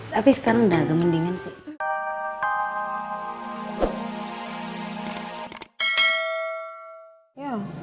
tapi sekarang udah agak mendingan sih